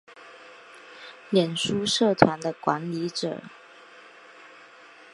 脸书社团的管理者